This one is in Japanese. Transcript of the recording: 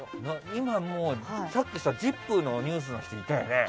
今もうさっき「ＺＩＰ！」のニュースの人いたよね。